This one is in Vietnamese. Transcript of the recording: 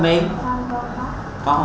không không biết